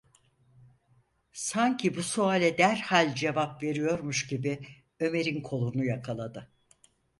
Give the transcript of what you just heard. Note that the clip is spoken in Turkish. Sanki bu suale derhal cevap veriyormuş gibi Ömer’in kolunu yakaladı.